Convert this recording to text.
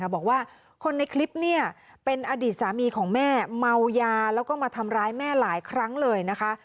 บอกว่าคนในคลิปเป็นอดีตสามีของแม่เมายาแล้วก็มาทำร้ายแม่หลายครั้งเลยนะคะ